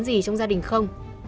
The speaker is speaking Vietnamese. gì trong gia đình không